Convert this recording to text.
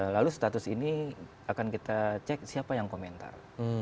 lalu status ini akan kita cek siapa yang komentar